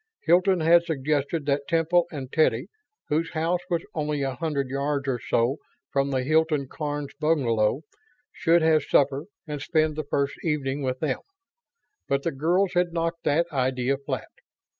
Hilton had suggested that Temple and Teddy, whose house was only a hundred yards or so from the Hilton Karns bungalow, should have supper and spend the first evening with them; but the girls had knocked that idea flat.